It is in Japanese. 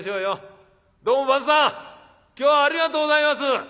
今日はありがとうございます。